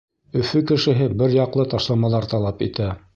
Өфө кешеһе бер яҡлы ташламалар талап итә.